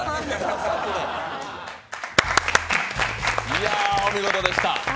いや、お見事でした。